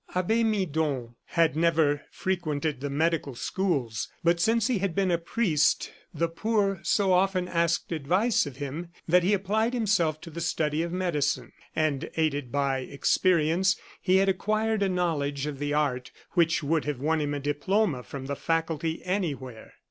Abbe Midon had never frequented the medical schools, but since he had been a priest the poor so often asked advice of him that he applied himself to the study of medicine, and, aided by experience, he had acquired a knowledge of the art which would have won him a diploma from the faculty anywhere.